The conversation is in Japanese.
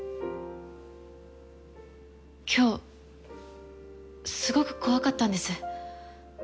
今日すごく怖かったんです。